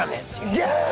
ギャー！